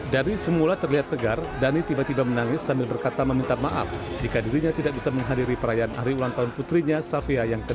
dari semula terlihat tegar dhani tiba tiba menangis sambil berkata meminta maaf jika dirinya tidak bisa menghadiri perayaan hari ulang tahun putrinya safia yang ke dua